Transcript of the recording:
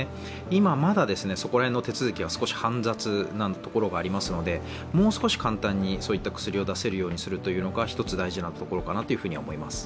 今まだ、その辺の手続きは少し煩雑なところがありますのでもう少し簡単にそういった薬を出せるようにするのが一つ大事なところかなとは思います。